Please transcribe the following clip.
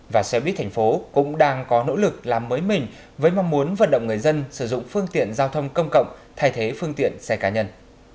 và xe buýt thành phố cũng đang có nỗ lực làm mới mình với mong muốn vận động người dân sử dụng phương tiện giao thông công cộng thay thế phương tiện xe cá nhân